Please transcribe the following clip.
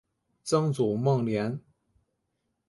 曾祖孟廉。